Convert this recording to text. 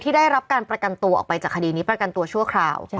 ได้รับการประกันตัวออกไปจากคดีนี้ประกันตัวชั่วคราว